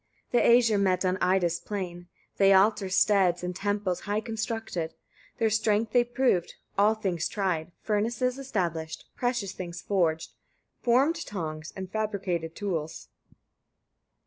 7. The Æsir met on Ida's plain; they altar steads and temples high constructed; their strength they proved, all things tried, furnaces established, precious things forged, formed tongs, and fabricated tools; 8.